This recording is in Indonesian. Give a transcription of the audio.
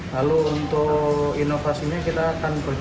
lalu untuk inovasinya kita akan berjuang